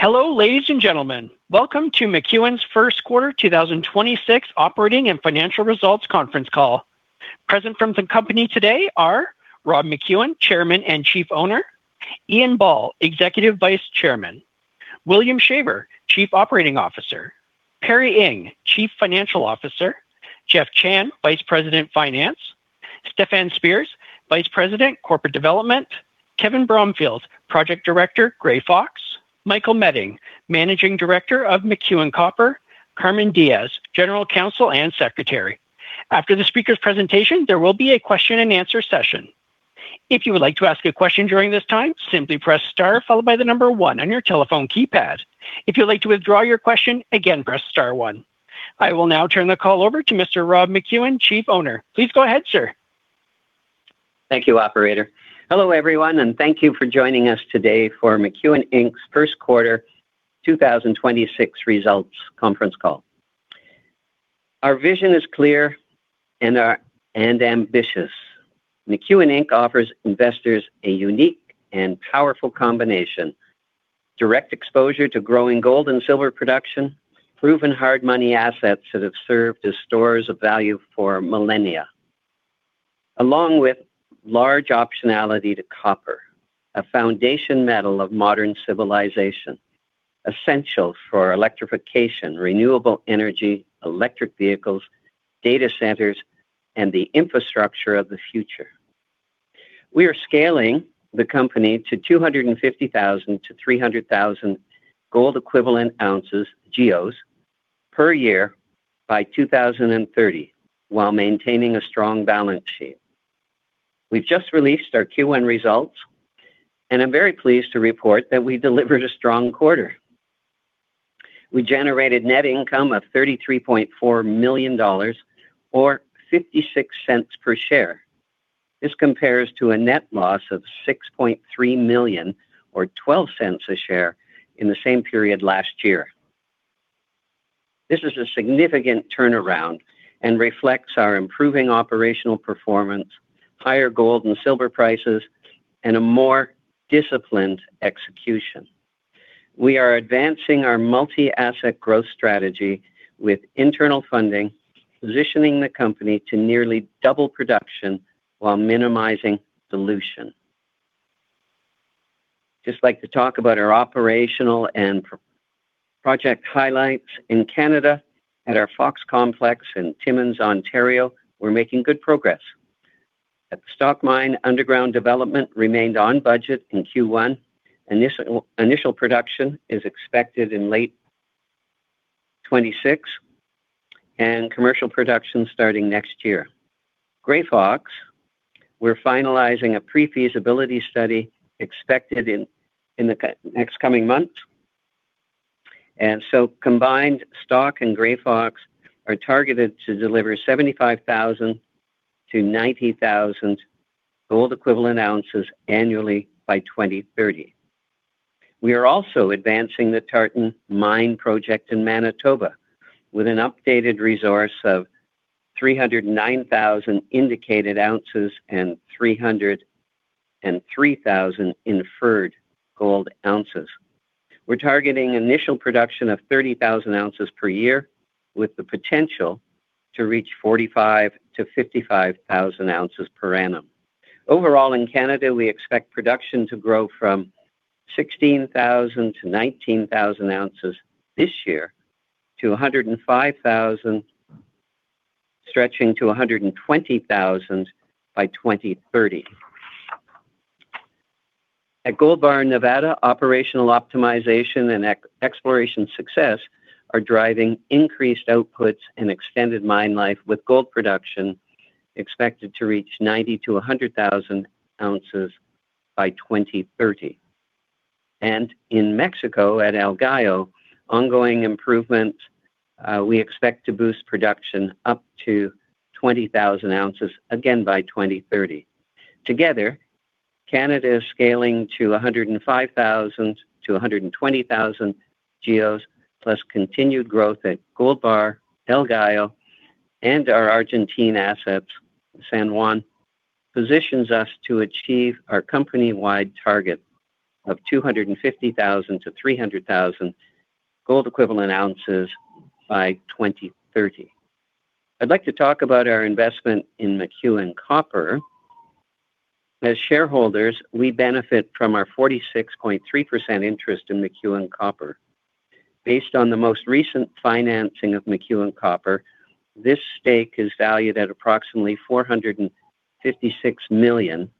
Hello, ladies and gentlemen. Welcome to McEwen's first quarter 2026 operating and financial results conference call. Present from the company today are Rob McEwen, Chairman and Chief Owner; Ian Ball, Executive Vice Chairman; William Shaver, Chief Operating Officer; Perry Ing, Chief Financial Officer; Jeff Chan, Vice President, Finance; Stefan Spears, Vice President, Corporate Development; Kevin Bromfield, Project Director, Grey Fox; Michael Meding, Managing Director of McEwen Copper; Carmen Diges, General Counsel and Secretary. After the speakers' presentation, there will be a question-and-answer session. If you would like to ask a question during this time, simply press star followed by the number one on your telephone keypad. If you'd like to withdraw your question, again, press star one. I will now turn the call over to Mr. Rob McEwen, Chief Owner. Please go ahead, sir. Thank you, operator. Hello, everyone, and thank you for joining us today for McEwen Inc.'s first quarter 2026 results conference call. Our vision is clear and ambitious. McEwen Inc. offers investors a unique and powerful combination, direct exposure to growing gold and silver production, proven hard money assets that have served as storers of value for millennia. Along with large optionality to copper, a foundation metal of modern civilization, essential for electrification, renewable energy, electric vehicles, data centers, and the infrastructure of the future. We are scaling the company to 250,000 to 300,000 gold equivalent ounces, GEOs, per year by 2030, while maintaining a strong balance sheet. We've just released our Q1 results, and I'm very pleased to report that we delivered a strong quarter. We generated net income of $33.4 million or $0.56 per share. This compares to a net loss of $6.3 million or $0.12 a share in the same period last year. This is a significant turnaround and reflects our improving operational performance, higher gold and silver prices, and a more disciplined execution. We are advancing our multi-asset growth strategy with internal funding, positioning the company to nearly double production while minimizing dilution. Just like to talk about our operational and project highlights. In Canada, at our Fox Complex in Timmins, Ontario, we're making good progress. As the Stock mine underground development remained on budget in Q1, initial production is expected in late 2026 and commercial production starting next year. Grey Fox, we're finalizing a pre-feasibility study expected in the next coming months. And so, combined, Stock and Grey Fox are targeted to deliver 75,000-90,000 gold equivalent ounces annually by 2030. We are also advancing the Tartan Mine project in Manitoba with an updated resource of 309,000 indicated ounces and 303,000 inferred gold ounces. We're targeting initial production of 30,000 ounces per year with the potential to reach 45,000-55,000 ounces per annum. Overall in Canada, we expect production to grow from 16,000-19,000 ounces this year to 105,000 ounces, stretching to 120,000 ounces by 2030. At Gold Bar, Nevada, operational optimization and exploration success are driving increased outputs and extended mine life with gold production expected to reach 90,000-100,000 ounces by 2030. In Mexico at El Gallo, ongoing improvement, we expect to boost production up to 20,000 ounces again by 2030. Together, Canada scaling to 105,000-120,000 GEOs plus continued growth at Gold Bar, El Gallo, and our Argentine assets, San Juan, positions us to achieve our company-wide target of 250,000-300,000 gold equivalent ounces by 2030. I'd like to talk about our investment in McEwen Copper. As shareholders, we benefit from our 46.3% interest in McEwen Copper. Based on the most recent financing of McEwen Copper, this stake is valued at approximately $456 million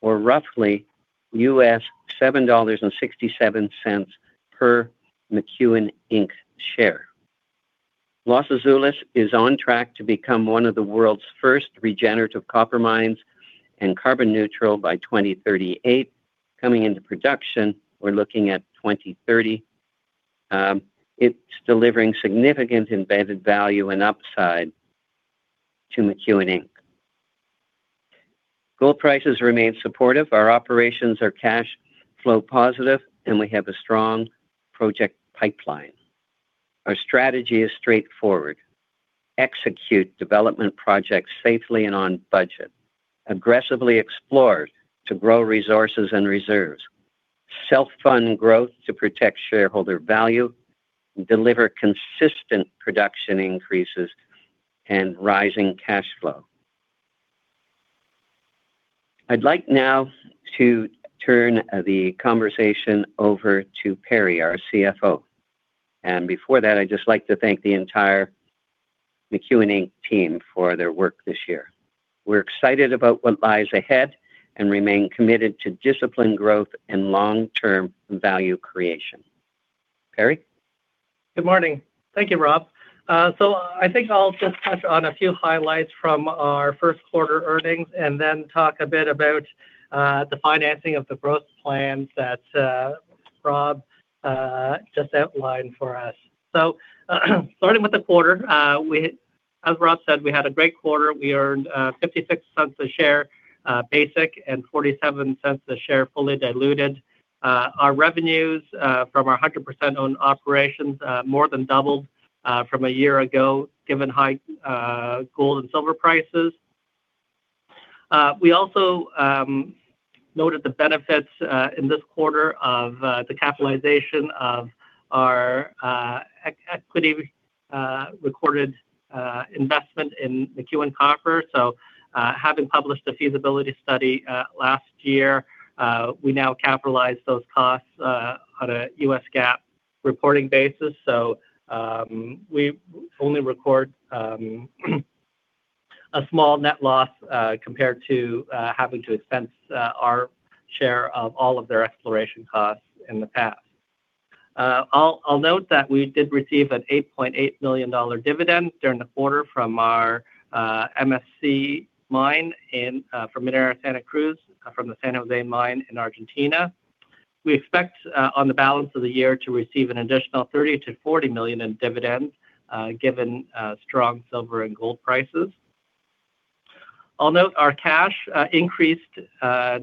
or roughly U.S. $7.67 per McEwen Inc. share. Los Azules is on track to become one of the world's first regenerative copper mines and carbon neutral by 2038. Coming into production, we're looking at 2030. It's delivering significant embedded value and upside to McEwen Inc. Gold prices remain supportive. Our operations are cash flow positive, and we have a strong project pipeline. Our strategy is straightforward. Execute development projects safely and on budget. Aggressively explore to grow resources and reserves. Self-fund growth to protect shareholder value. Deliver consistent production increases and rising cash flow. I'd like now to turn the conversation over to Perry, our CFO. Before that, I'd just like to thank the entire McEwen Inc. team for their work this year. We're excited about what lies ahead and remain committed to disciplined growth and long-term value creation. Perry? Good morning. Thank you, Rob. I think I'll just touch on a few highlights from our first quarter earnings and then talk a bit about the financing of the growth plans that Rob just outlined for us. Starting with the quarter, as Rob said, we had a great quarter. We earned $0.56 a share basic and $0.47 a share fully diluted. Our revenues from our 100% owned operations more than doubled from a year ago, given high gold and silver prices. We also noted the benefits in this quarter of the capitalization of our equity recorded investment in McEwen Copper. Having published a feasibility study last year, we now capitalize those costs on a U.S. GAAP reporting basis. We only record a small net loss compared to having to expense our share of all of their exploration costs in the past. I'll note that we did receive an $8.8 million dividend during the quarter from our MSC mine in from Minera Santa Cruz, from the San José mine in Argentina. We expect on the balance of the year to receive an additional $30 million-$40 million in dividends given strong silver and gold prices. I'll note our cash increased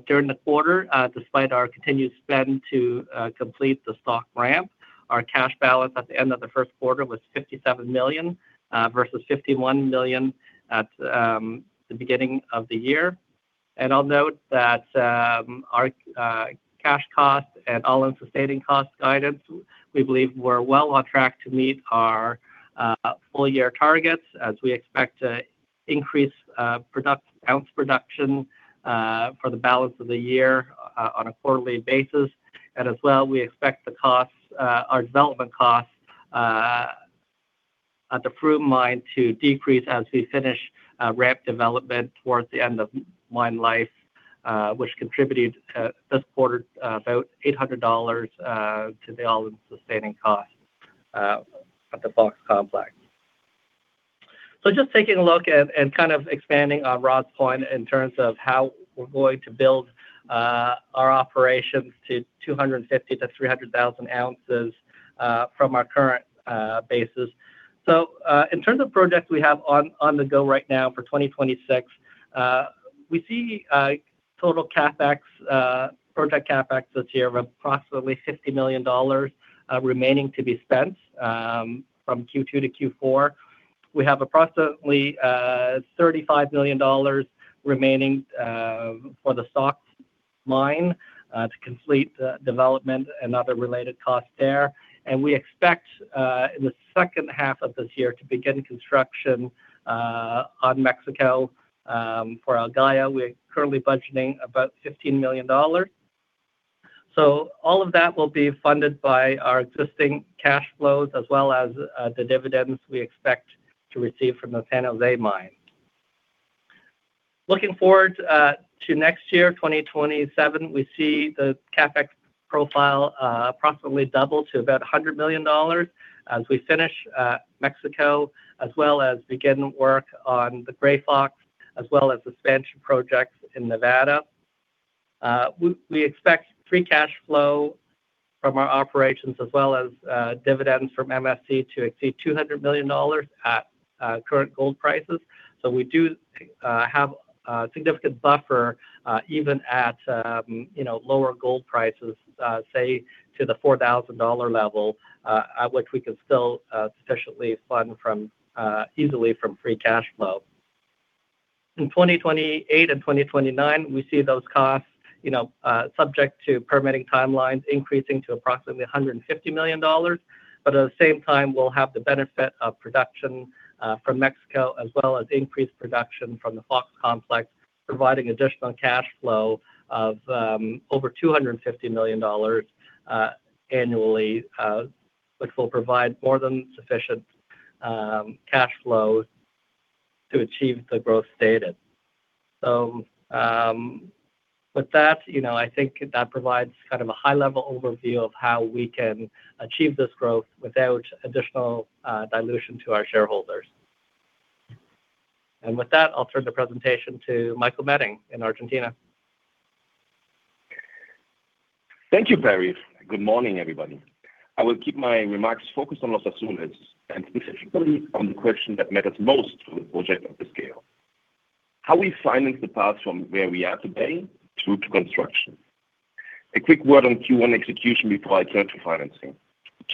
during the quarter despite our continued spend to complete the Stock ramp. Our cash balance at the end of the first quarter was $57 million versus $51 million at the beginning of the year. I'll note that our cash costs and all-in sustaining cost guidance, we believe we're well on track to meet our full-year targets as we expect to increase ounce production for the balance of the year on a quarterly basis. As well, we expect the costs, our development costs at the Froome mine to decrease as we finish ramp development towards the end of mine life, which contributed this quarter about $800 to the all-in sustaining cost at the Fox Complex. Just taking a look and kind of expanding on Rob's point in terms of how we're going to build our operations to 250,000-300,000 ounces from our current basis. In terms of projects we have on the go right now for 2026, we see total CapEx, project CapEx this year of approximately $50 million remaining to be spent from Q2 to Q4. We have approximately $35 million remaining for the Stock mine to complete development and other related costs there. We expect in the second half of this year to begin construction on Mexico for El Gallo. We're currently budgeting about $15 million. All of that will be funded by our existing cash flows as well as the dividends we expect to receive from the San José mine. Looking forward to next year, 2027, we see the CapEx profile approximately double to about $100 million as we finish Mexico, as well as begin work on the Grey Fox, as well as expansion projects in Nevada. We expect free cash flow from our operations as well as dividends from MSC to exceed $200 million at current gold prices. We do have a significant buffer, even at, you know, lower gold prices, say to the $4,000 level, at which we can still sufficiently fund easily from free cash flow. In 2028 and 2029, we see those costs, you know, subject to permitting timelines increasing to approximately $150 million. At the same time, we'll have the benefit of production from Mexico as well as increased production from the Fox Complex, providing additional cash flow of over $250 million annually, which will provide more than sufficient cash flow to achieve the growth stated. With that, you know, I think that provides kind of a high-level overview of how we can achieve this growth without additional dilution to our shareholders. With that, I'll turn the presentation to Michael Meding in Argentina. Thank you, Perry. Good morning, everybody. I will keep my remarks focused on Los Azules, and specifically on the question that matters most to the project as we scale. How we finance the path from where we are today through to construction. A quick word on Q1 execution before I turn to financing.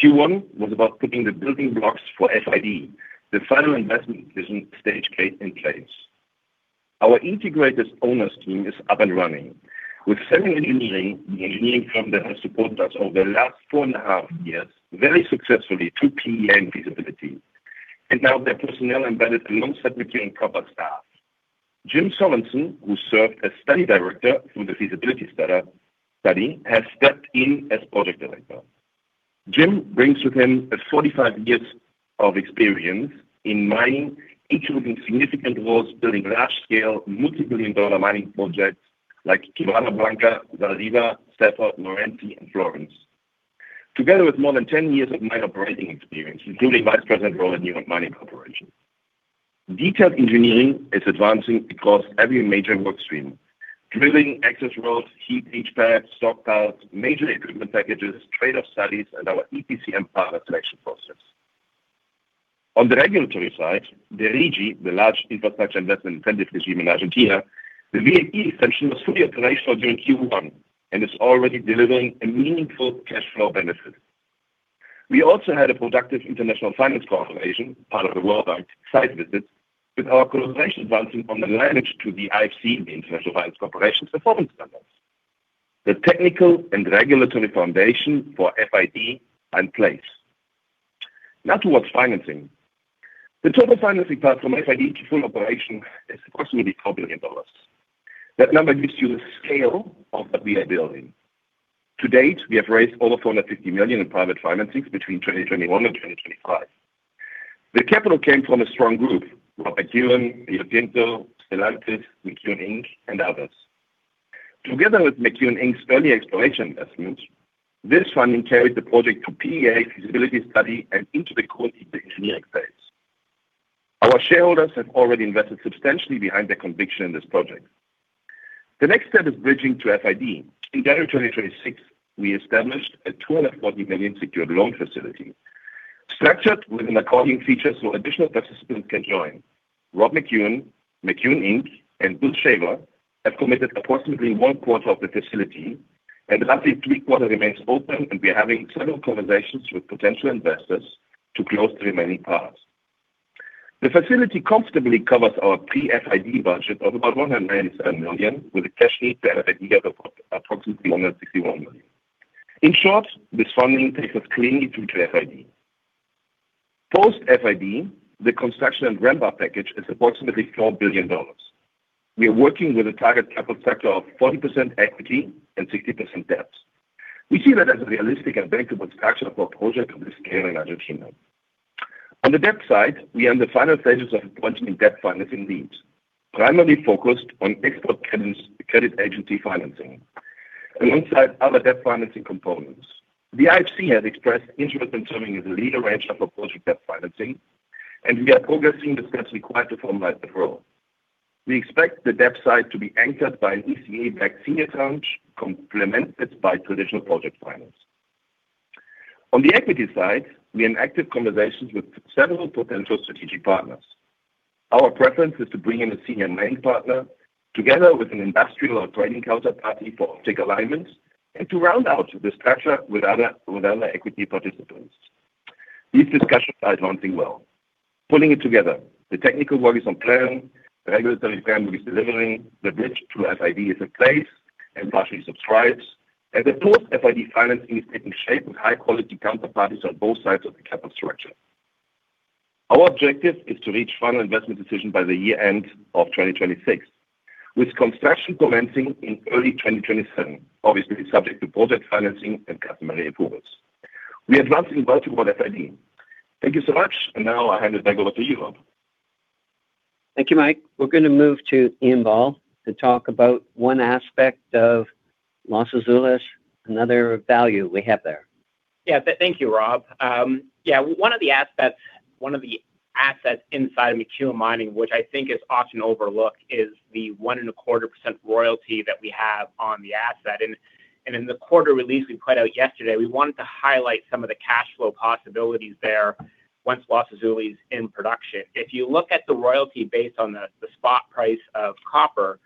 Q1 was about putting the building blocks for FID, the final investment decision stage gate in place. Our integrated owners team is up and running with Samuel Engineering, the engineering firm that has supported us over the last four and a half years very successfully through PEA and feasibility. Now their personnel embedded alongside McEwen Copper staff. Jim Sorensen, who served as study director through the feasibility study, has stepped in as project director. Jim brings with him 45 years of experience in mining, including significant roles building large scale, multi-billion dollar mining projects like Cerro Blanco, Galarza, Cefa, Loreto and Florence. Together with more than 10 years of mine operating experience, including vice president role at Newmont Mining Corporation. Detailed engineering is advancing across every major work stream. Drilling, access roads, heap leach pads, stockpiles, major equipment packages, trade-off studies, and our EPC and partner selection process. On the regulatory side, the RIGI, the Incentive Regime for Large Investments in Argentina, the VAE section was fully operational during Q1 and is already delivering a meaningful cash flow benefit. We also had a productive International Finance Corporation, part of the World Bank site visit, with our conversation advancing on the alignment to the IFC, the International Finance Corporation performance standards. The technical and regulatory foundation for FID in place. Now towards financing. The total financing path from FID to full operation is approximately $4 billion. That number gives you the scale of what we are building. To date, we have raised over $450 million in private financings between 2021 and 2025. The capital came from a strong group, Rob McEwen, Rio Tinto, Stellantis, McEwen Inc, and others. Together with McEwen Inc's early exploration investments, this funding carried the project to PEA feasibility study and into the detailed engineering phase. Our shareholders have already invested substantially behind their conviction in this project. The next step is bridging to FID. In January 2026, we established a $240 million secured loan facility structured with an accordion feature so additional participants can join. Rob McEwen, McEwen Inc, and Bill Shaver have committed approximately one quarter of the facility, and roughly three-quarter remains open, and we're having several conversations with potential investors to close the remaining parts. The facility comfortably covers our pre-FID budget of about $197 million, with a cash need there that we have of approximately $161 million. In short, this funding takes us cleanly through to FID. Post-FID, the construction and ramp-up package is approximately $4 billion. We are working with a target capital structure of 40% equity and 60% debt. We see that as a realistic and bankable structure for a project of this scale in Argentina. On the debt side, we are in the final stages of appointing debt financing leads, primarily focused on export credit agency financing alongside other debt financing components. The IFC has expressed interest in serving as a lead arranger for project debt financing, and we are progressing the steps required to formalize the role. We expect the debt side to be anchored by an ECA-backed senior tranche complemented by traditional project finance. On the equity side, we are in active conversations with several potential strategic partners. Our preference is to bring in a senior mining partner together with an industrial or trading counterparty for offtake alignment and to round out the structure with other equity participants. These discussions are advancing well. Pulling it together, the technical work is on plan, the regulatory program is delivering, the bridge to FID is in place and partially subscribed, and the post-FID financing is taking shape with high quality counterparties on both sides of the capital structure. Our objective is to reach final investment decision by the year end of 2026, with construction commencing in early 2027. Obviously, subject to project financing and customary approvals. We are advancing well toward FID. Thank you so much. Now I'll hand it back over to you, Rob. Thank you, Mike. We're gonna move to Ian Ball to talk about one aspect of Los Azules, another value we have there. Thank you, Rob. One of the aspects, one of the assets inside McEwen Mining, which I think is often overlooked, is the 1.25% royalty that we have on the asset. In the quarter release we put out yesterday, we wanted to highlight some of the cash flow possibilities there once Los Azules in production. If you look at the royalty based on the spot price of copper,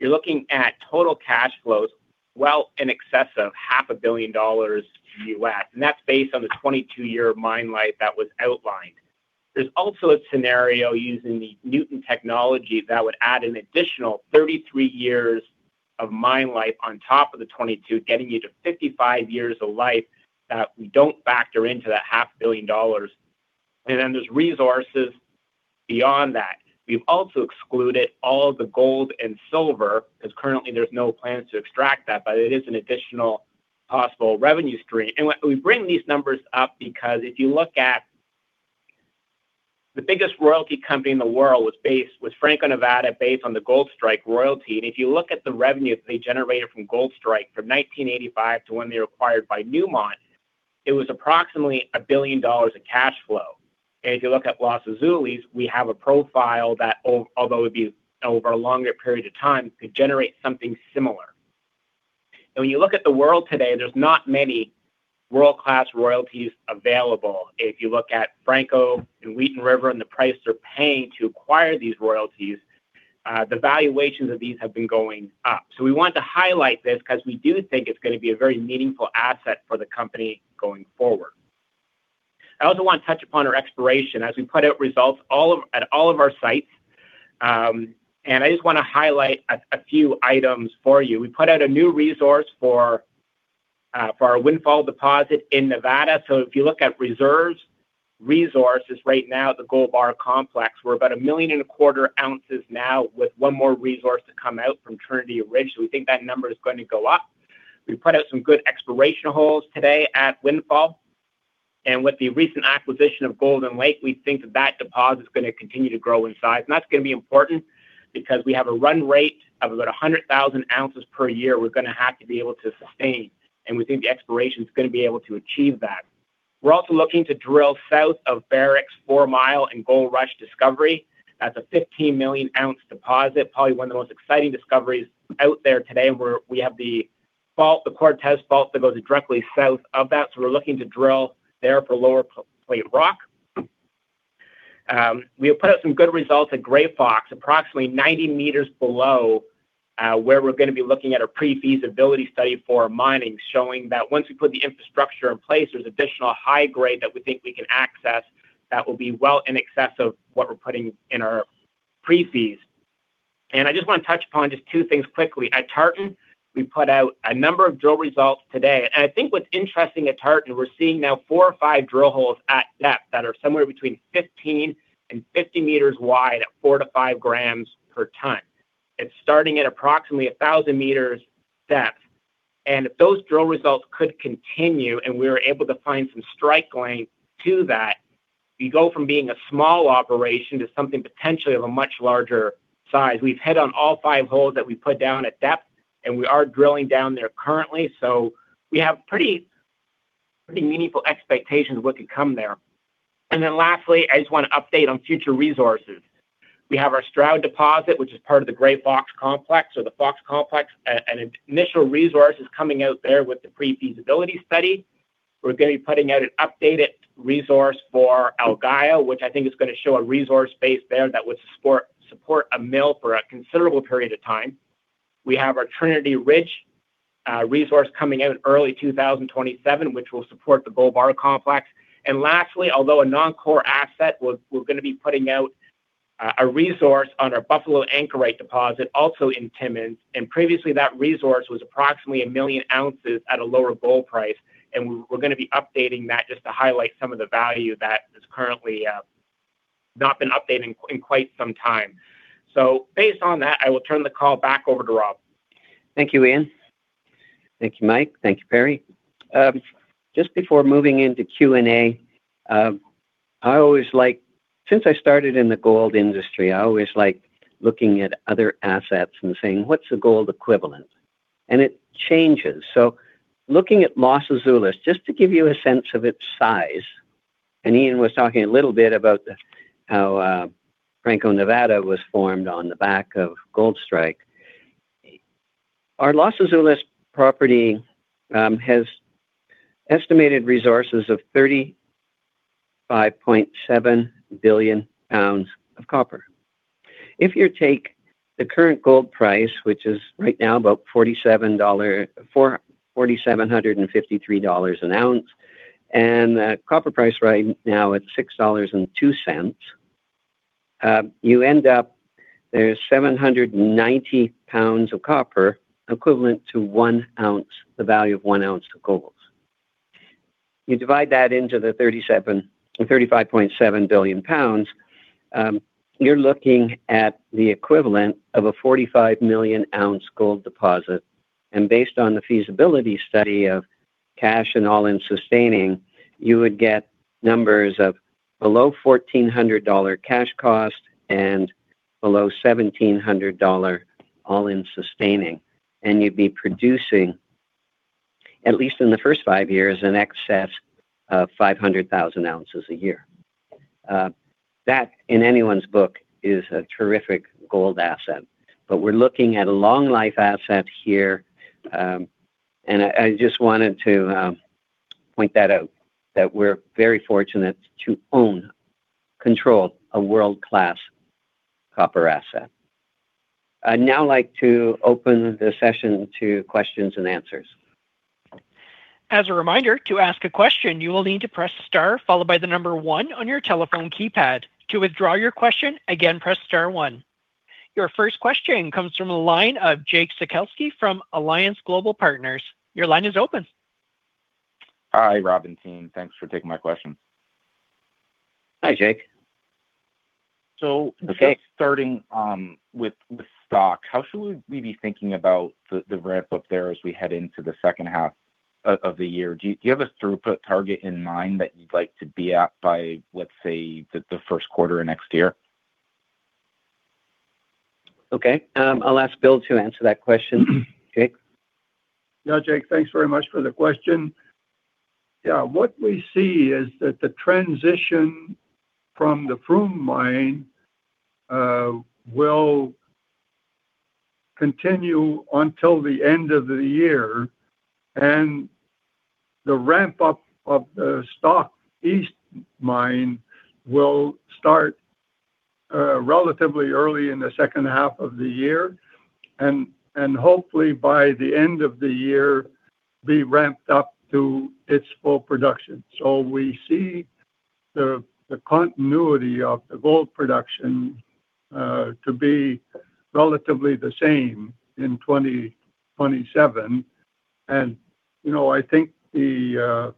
you're looking at total cash flows well in excess of half a billion dollars U.S., That's based on the 22-year mine life that was outlined. There's also a scenario using the Nuton technology that would add an additional 33 years of mine life on top of the 22, getting you to 55 years of life that we don't factor into that half billion dollars. There's resources beyond that. We've also excluded all the gold and silver, because currently there's no plans to extract that, but it is an additional possible revenue stream. We bring these numbers up because if you look at the biggest royalty company in the world was Franco-Nevada, based on the Goldstrike royalty. If you look at the revenue they generated from Goldstrike from 1985 to when they were acquired by Newmont, it was approximately $1 billion of cash flow. If you look at Los Azules, we have a profile that, although it would be over a longer period of time, could generate something similar. When you look at the world today, there's not many world-class royalties available. If you look at Franco and Wheaton River and the price they're paying to acquire these royalties, the valuations of these have been going up. We want to highlight this because we do think it's gonna be a very meaningful asset for the company going forward. I also want to touch upon our exploration as we put out results at all of our sites. I just wanna highlight a few items for you. We put out a new resource for our Windfall deposit in Nevada. If you look at reserves resources right now at the Gold Bar complex, we're about a million and a quarter ounces now with one more resource to come out from Trinity Ridge. We think that number is going to go up. We put out some good exploration holes today at Windfall. And with the recent acquisition of Golden Lake, we think that deposit is gonna continue to grow in size. That's going to be important because we have a run rate of about 100,000 ounces per year we're going to have to be able to sustain, and we think the exploration is going to be able to achieve that. We're also looking to drill south of Barrick's Fourmile and Goldrush discovery. That's a 15 million ounce deposit, probably one of the most exciting discoveries out there today. We have the fault, the Cortez fault that goes directly south of that, so we're looking to drill there for lower plate rock. We have put out some good results at Grey Fox, approximately 90 m below, where we're gonna be looking at a pre-feasibility study for mining, showing that once we put the infrastructure in place, there's additional high grade that we think we can access that will be well in excess of what we're putting in our pre-feasibilty. I just wanna touch upon just two things quickly. At Tartan, we put out a number of drill results today. I think what's interesting at Tartan, we're seeing now four or five drill holes at depth that are somewhere between 15 m and 50 m wide at 4 g/t-5 g/t. It's starting at approximately 1,000 m depth. If those drill results could continue and we're able to find some strike length to that, we go from being a small operation to something potentially of a much larger size. We've hit on all five holes that we put down at depth, and we are drilling down there currently. We have pretty meaningful expectations of what could come there. Lastly, I just want to update on future resources. We have our Stroud deposit, which is part of the Grey Fox Complex or the Fox Complex. An initial resource is coming out there with the pre-feasibility study. We're gonna be putting out an updated resource for El Gallo, which I think is gonna show a resource base there that would support a mill for a considerable period of time. We have our Trinity Ridge resource coming out in early 2027, which will support the Gold Bar complex. Lastly, although a non-core asset, we're gonna be putting out a resource on our Buffalo Ankerite deposit also in Timmins. Previously, that resource was approximately a million ounces at a lower gold price. We're gonna be updating that just to highlight some of the value that has currently not been updated in quite some time. Based on that, I will turn the call back over to Rob. Thank you, Ian. Thank you, Mike. Thank you, Perry. Just before moving into Q&A, since I started in the gold industry, I always like looking at other assets and saying, "What's the gold equivalent?" And it changes. Looking at Los Azules, just to give you a sense of its size, Ian was talking a little bit about the, how Franco-Nevada was formed on the back of Goldstrike. Our Los Azules property has estimated resources of 35.7 billion pounds of copper. If you take the current gold price, which is right now about $4,753 an ounce, and the copper price right now at $6.02, you end up there's 790 pounds of copper equivalent to 1 ounce, the value of 1 ounce of gold. You divide that into the 35.7 billion pounds, you're looking at the equivalent of a 45 million-ounce gold deposit. Based on the feasibility study of cash and all-in sustaining, you would get numbers of below $1,400 cash cost and below $1,700 all-in sustaining. And you'd be producing, at least in the first five years, in excess of 500,000 ounces a year. That, in anyone's book, is a terrific gold asset. We're looking at a long life asset here, and I just wanted to point that out that we're very fortunate to own, control a world-class copper asset. I'd now like to open the session to questions and answers. As a reminder, to ask a question, you will need to press star followed by the number one on your telephone keypad. To withdraw your question, again, press star one. Your first question comes from the line of Jake Sekelsky from Alliance Global Partners. Your line is open. Hi, Rob and team. Thanks for taking my question. Hi, Jake. So, just starting, with Stock, how should we be thinking about the ramp up there as we head into the second half of the year? Do you have a throughput target in mind that you'd like to be at by, let's say, the first quarter of next year? Okay. I'll ask Bill to answer that question, Jake. Yeah, Jake, thanks very much for the question. What we see is that the transition from the Froome mine will continue until the end of the year, and the ramp up of the Stock East mine will start relatively early in the second half of the year. Hopefully by the end of the year be ramped up to its full production. So we see the continuity of the gold production to be relatively the same in 2027. You know, I think the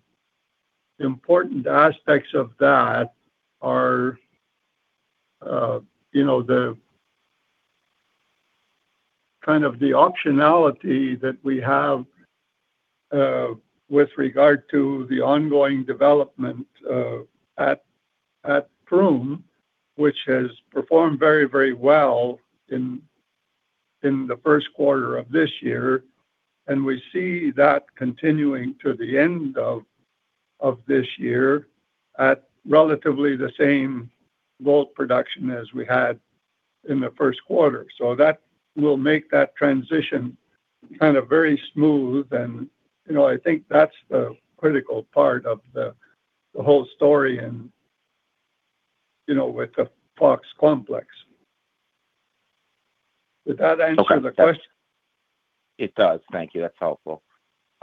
important aspects of that are, you know, the kind of the optionality that we have with regard to the ongoing development at Froome, which has performed very, very well in the first quarter of this year. We see that continuing to the end of this year at relatively the same gold production as we had in the first quarter. That will make that transition kind of very smooth. You know, I think that's the critical part of the whole story and, you know, with the Fox Complex. Does that answer the question? It does. Thank you. That's helpful.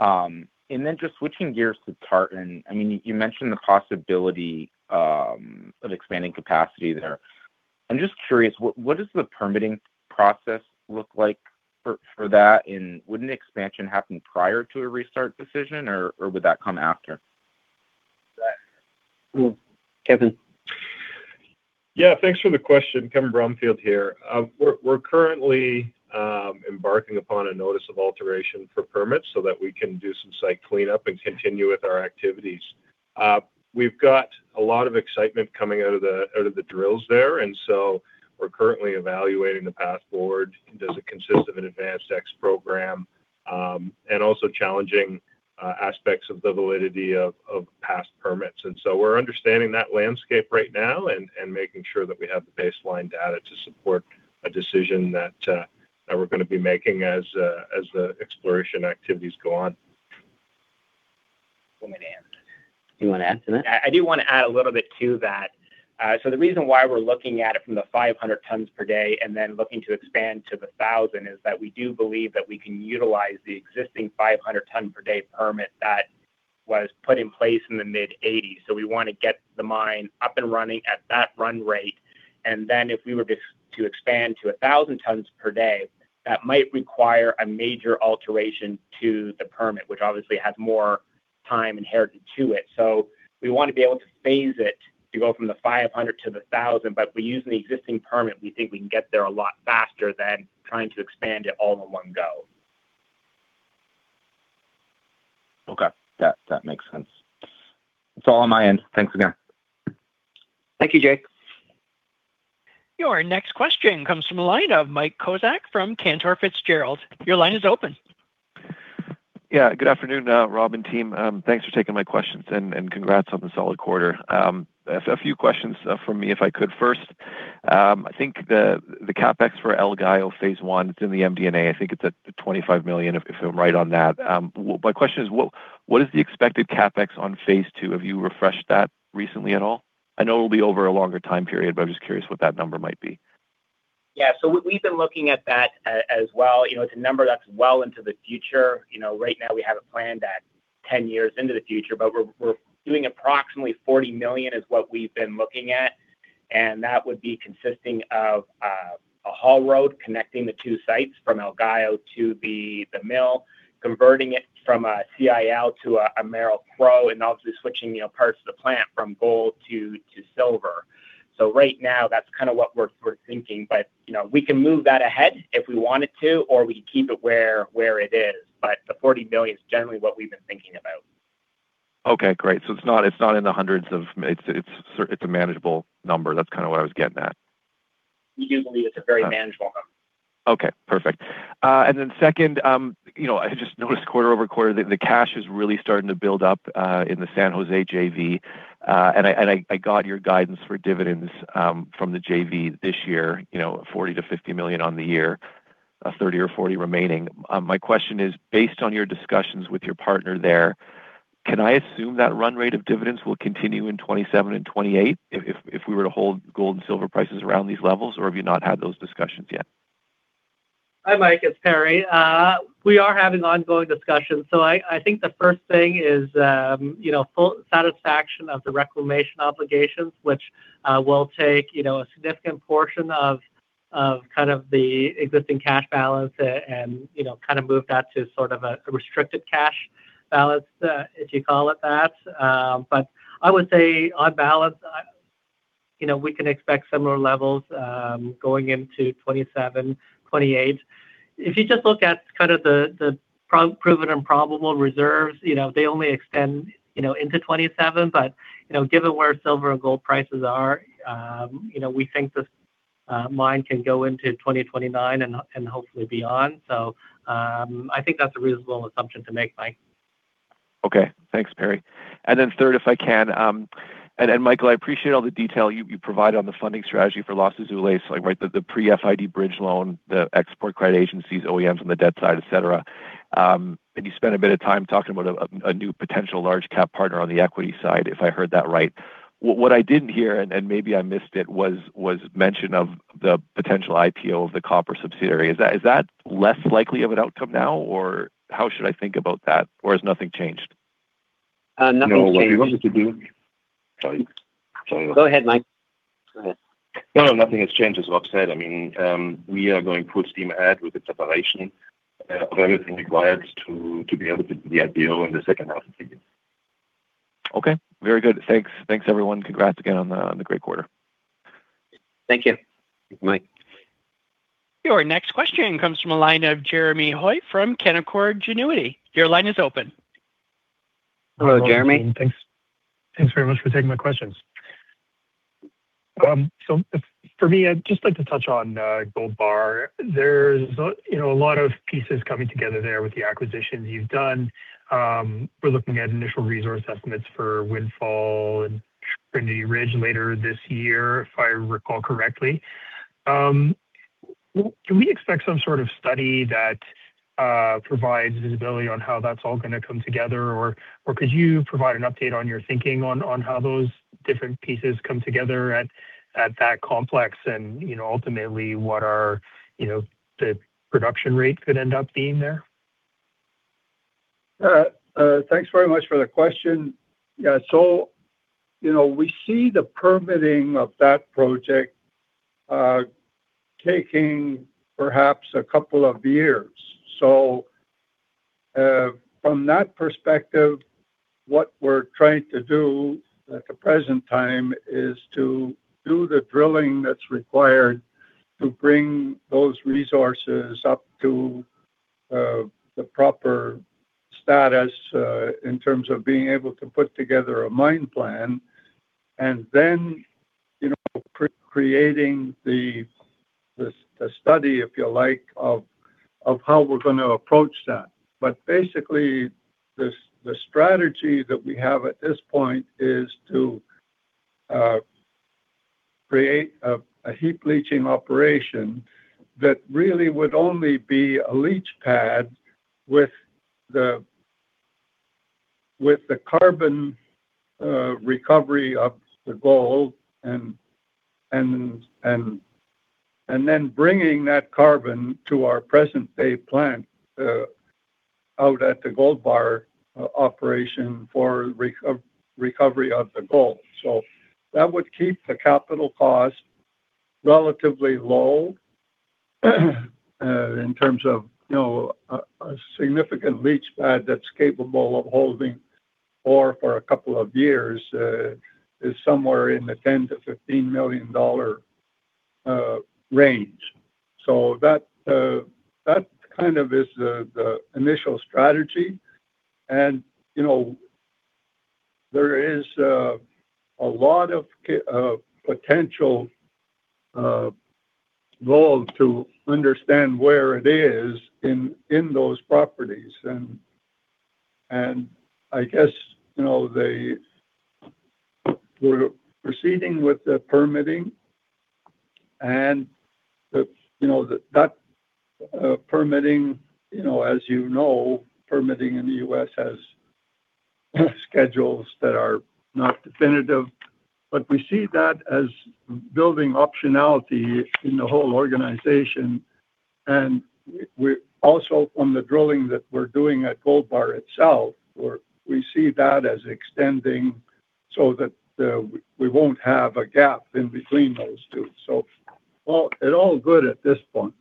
Then just switching gears to Tartan. I mean, you mentioned the possibility of expanding capacity there. I'm just curious, what does the permitting process look like for that? Would an expansion happen prior to a restart decision, or would that come after that? Well, Kevin. Yeah, thanks for the question. Kevin Bromfield here. We're currently embarking upon a notice of alteration for permits so that we can do some site cleanup and continue with our activities. We've got a lot of excitement coming out of the drills there. We're currently evaluating the path forward. Does it consist of an advanced ex program? Also challenging aspects of the validity of past permits. We're understanding that landscape right now and making sure that we have the baseline data to support a decision that we're gonna be making as the exploration activities go on. Well, may I add. You want to add to that? I do want to add a little bit to that. The reason why we're looking at it from the 500 tons per day and then looking to expand to the thousand is that we do believe that we can utilize the existing 500 tons per day permit that was put in place in the mid-1980s. We want to get the mine up and running at that run rate. Then if we were to expand to a thousand tons per day, that might require a major alteration to the permit, which obviously has more time inherited to it. We want to be able to phase it to go from the 500 to the thousand, but if we use an existing permit, we think we can get there a lot faster than trying to expand it all in one go. Okay. That makes sense. That's all on my end. Thanks again. Thank you, Jake. Your next question comes from the line of Mike Kozak from Cantor Fitzgerald. Your line is open. Good afternoon, Rob and team. Thanks for taking my questions and congrats on the solid quarter. I have a few questions from me, if I could first. I think the CapEx for El Gallo Phase 1, it's in the MD&A. I think it's at the $25 million, if I'm right on that. My question is, what is the expected CapEx on Phase 2? Have you refreshed that recently at all? I know it'll be over a longer time period, but I'm just curious what that number might be? Yeah. We've been looking at that as well. You know, it's a number that's well into the future. You know, right now we have it planned at 10 years into the future, but we're doing approximately $40 million is what we've been looking at. That would be consisting of a haul road connecting the two sites from El Gallo to the mill, converting it from a CIL to a Merrill-Crowe, and obviously switching, you know, parts of the plant from gold to silver. Right now, that's kind of what we're thinking. You know, we can move that ahead if we wanted to, or we keep it where it is. The $40 million is generally what we've been thinking about. Okay, great. It's not in the hundreds. It's a manageable number. That's kind of what I was getting at. We do believe it's a very manageable number. Okay, perfect. Then second, you know, I just noticed quarter-over-quarter the cash is really starting to build up in the San José JV. I got your guidance for dividends from the JV this year, you know, $40 million-$50 million on the year, $30 million or $40 million remaining. My question is, based on your discussions with your partner there, can I assume that run rate of dividends will continue in 2027 and 2028 if we were to hold gold and silver prices around these levels, or have you not had those discussions yet? Hi, Mike. It's Perry. We are having ongoing discussions. I think the first thing is, you know, full satisfaction of the reclamation obligations, which will take, you know, a significant portion of kind of the existing cash balance and, you know, kind of move that to sort of a restricted cash balance, if you call it that. I would say on balance, You know, we can expect similar levels, going into 2027, 2028. If you just look at kind of the proven and probable reserves, you know, they only extend, you know, into 2027. You know, given where silver and gold prices are, you know, we think the mine can go into 2029 and hopefully beyond. I think that's a reasonable assumption to make, Mike. Okay. Thanks, Perry. Third, if I can, Mike, I appreciate all the detail you provided on the funding strategy for Los Azules, like, right, the pre-FID bridge loan, the export credit agencies, OEMs on the debt side, et cetera. You spent a bit of time talking about a new potential large cap partner on the equity side, if I heard that right. What I didn't hear, and maybe I missed it, was mention of the potential IPO of the copper subsidiary. Is that less likely of an outcome now, or how should I think about that? Has nothing changed? Nothing changed. No, what we wanted to do. Sorry. Go ahead, Mike. Go ahead. No, no, nothing has changed, as Rob said. I mean, we are going full steam ahead with the separation of everything required to be able to do the IPO in the second half of the year. Okay. Very good. Thanks. Thanks everyone. Congrats again on the great quarter. Thank you. Thanks, Mike. Your next question comes from the line of Jeremy Hoy from Canaccord Genuity. Your line is open. Hello, Jeremy. Hello. Thanks. Thanks very much for taking my questions. For me, I'd just like to touch on Gold Bar. There's, you know, a lot of pieces coming together there with the acquisitions you've done. We're looking at initial resource estimates for Windfall and Trinity Ridge later this year, if I recall correctly. Can we expect some sort of study that provides visibility on how that's all gonna come together, or could you provide an update on your thinking on how those different pieces come together at that complex and, you know, ultimately what are, you know, the production rate could end up being there? Thanks very much for the question. You know, we see the permitting of that project taking perhaps a couple of years. From that perspective, what we're trying to do at the present time is to do the drilling that's required to bring those resources up to the proper status in terms of being able to put together a mine plan and then, you know, creating the study, if you like, of how we're gonna approach that. Basically, the strategy that we have at this point is to create a heap leaching operation that really would only be a leach pad with the carbon recovery of the gold and then bringing that carbon to our present day plant out at the Gold Bar operation for recovery of the gold. That would keep the capital cost relatively low in terms of, you know, a significant leach pad that's capable of holding ore for two years is somewhere in the $10 million-$15 million range. That kind of is the initial strategy. You know, there is a lot of potential gold to understand where it is in those properties. I guess, you know, we're proceeding with the permitting, and the, you know, the, that permitting, you know, as you know, permitting in the U.S. has schedules that are not definitive. We see that as building optionality in the whole organization, and we're also, on the drilling that we're doing at Gold Bar itself, we see that as extending so that we won't have a gap in between those two. So, it all good at this point.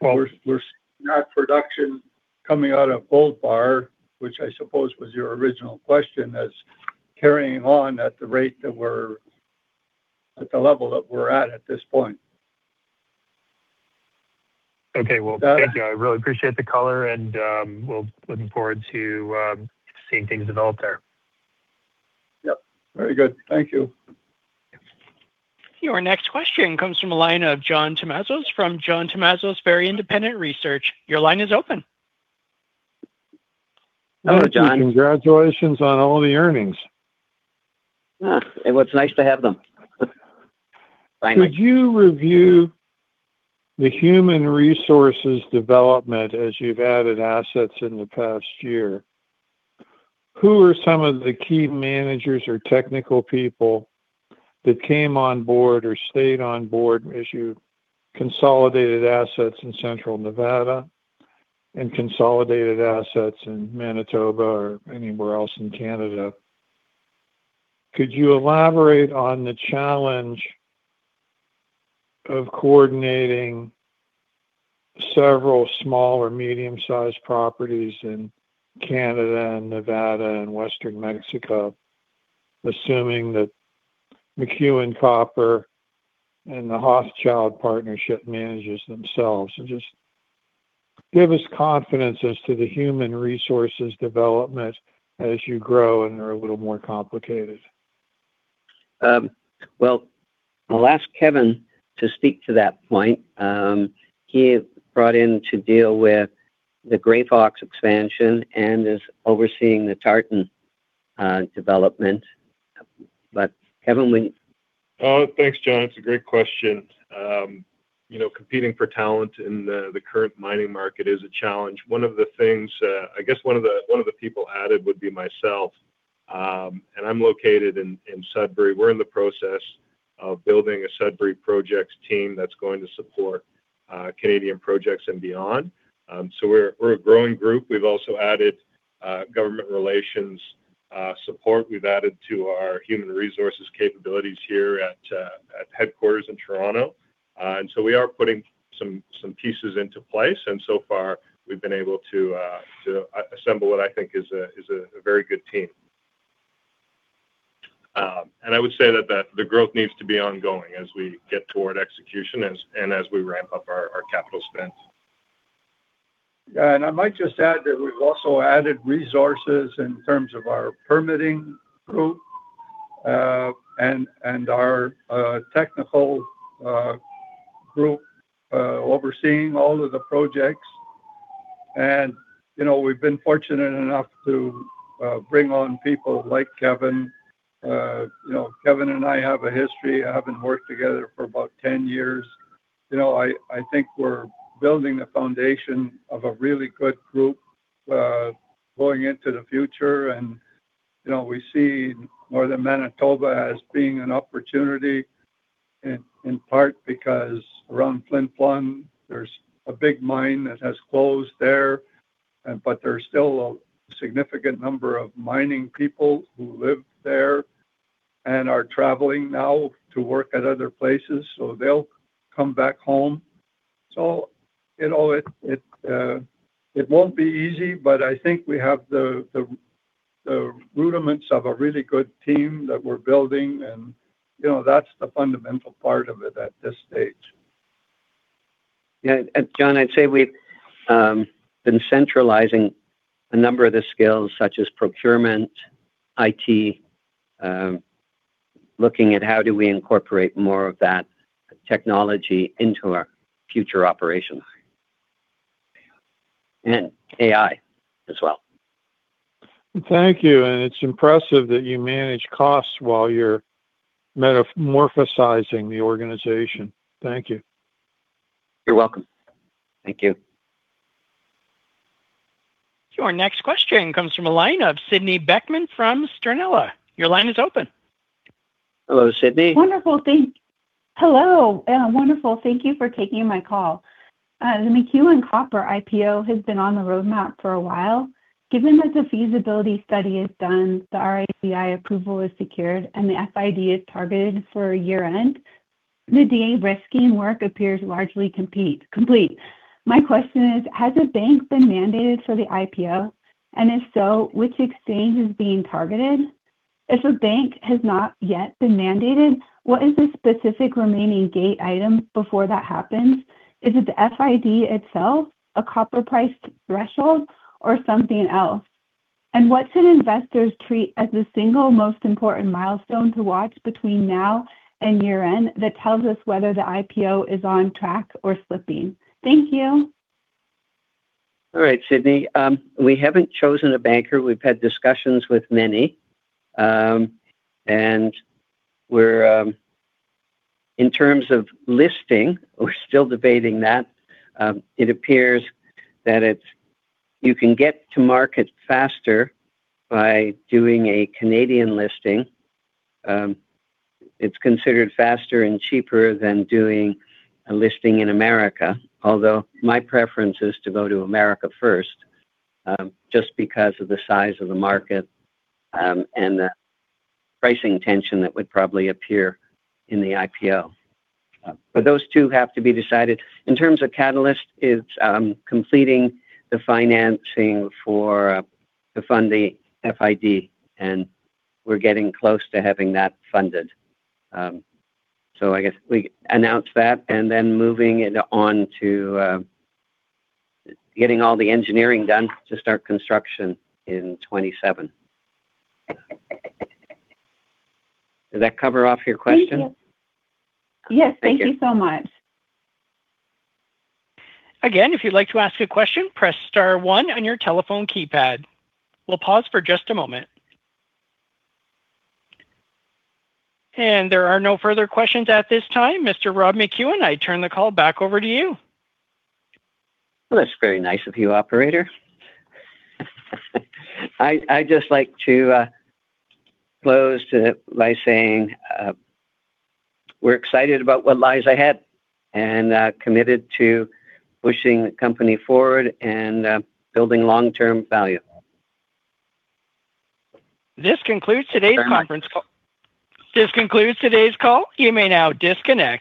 While we're seeing that production coming out of Gold Bar, which I suppose was your original question, that's carrying on at the rate that we're, at the level that we're at at this point. Okay. Well, thank you. I really appreciate the color and, well, looking forward to, seeing things develop there. Yep. Very good. Thank you. Your next question comes from a line of John Tumazos from John Tumazos Very Independent Research. Your line is open. Hello, John. Congratulations on all the earnings. It was nice to have them. Finally. Could you review the human resources development as you've added assets in the past year? Who are some of the key managers or technical people that came on board or stayed on board as you consolidated assets in Central Nevada and consolidated assets in Manitoba or anywhere else in Canada? Could you elaborate on the challenge of coordinating several small or medium-sized properties in Canada and Nevada and Western Mexico, assuming that McEwen Copper and the Hochschild partnership manages themselves? Just give us confidence as to the human resources development as you grow and are a little more complicated. Well, I'll ask Kevin to speak to that point. He was brought in to deal with the Grey Fox expansion and is overseeing the Tartan development. Thanks, John. It's a great question. You know, competing for talent in the current mining market is a challenge. One of the things I guess one of the people added would be myself. I'm located in Sudbury. We're in the process of building a Sudbury projects team that's going to support Canadian projects and beyond. We're a growing group. We've also added government relations support. We've added to our human resources capabilities here at headquarters in Toronto. We are putting some pieces into place, and so far we've been able to assemble what I think is a very good team. I would say that the growth needs to be ongoing as we get toward execution as we ramp up our capital spends. Yeah. I might just add that we've also added resources in terms of our permitting group, and our technical group, overseeing all of the projects. You know, we've been fortunate enough to bring on people like Kevin. You know, Kevin and I have a history, having worked together for about 10 years. You know, I think we're building a foundation of a really good group, going into the future. You know, we see Northern Manitoba as being an opportunity in part because around Flin Flon, there's a big mine that has closed there, but there's still a significant number of mining people who live there and are traveling now to work at other places, so they'll come back home. You know, it won't be easy, but I think we have the rudiments of a really good team that we're building and, you know, that's the fundamental part of it at this stage. Yeah. John, I'd say we've been centralizing a number of the skills such as procurement, IT, looking at how do we incorporate more of that technology into our future operations. AI as well. Thank you, and it's impressive that you manage costs while you're metamorphosizing the organization. Thank you. You're welcome. Thank you. Your next question comes from a line of Sydney Beckman from Strenella. Your line is open. Hello, Sydney. Hello, and wonderful. Thank you for taking my call. The McEwen Copper IPO has been on the roadmap for a while. Given that the feasibility study is done, the RIGI approval is secured, and the FID is targeted for year-end, the de-risking work appears largely complete. My question is, has a bank been mandated for the IPO? If so, which exchange is being targeted? If a bank has not yet been mandated, what is the specific remaining gate item before that happens? Is it the FID itself, a copper price threshold, or something else? What should investors treat as the single most important milestone to watch between now and year-end that tells us whether the IPO is on track or slipping? Thank you. All right, Sydney. We haven't chosen a banker. We've had discussions with many. In terms of listing, we're still debating that. It appears that you can get to market faster by doing a Canadian listing. It's considered faster and cheaper than doing a listing in America. Although, my preference is to go to America first, just because of the size of the market, and the pricing tension that would probably appear in the IPO. Those two have to be decided. In terms of catalyst, it's completing the financing for, to fund the FID and we're getting close to having that funded. I guess we announce that and then moving it on to getting all the engineering done to start construction in 2027. Did that cover off your question? Thank you. Yes. Thank you. Thank you so much. Again, if you'd like to ask a question, press star one on your telephone keypad. We'll pause for just a moment. There are no further questions at this time. Mr. Rob McEwen, I turn the call back over to you. Well, that's very nice of you, operator. I'd just like to close by saying, we're excited about what lies ahead and committed to pushing the company forward and building long-term value. This concludes today's conference call. This concludes today's call. You may now disconnect.